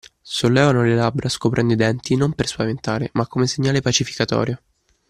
Sollevano le labbra scoprendo i denti non per spaventare, ma come segnale pacificatorio.